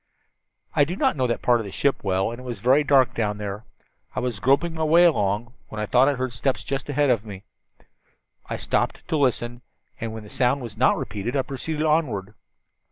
"I do not know that part of the ship well, and it was very dark down there. I was groping my way along when I thought I heard steps just ahead of me. I stopped to listen, and when the sound was not repeated I proceeded onward.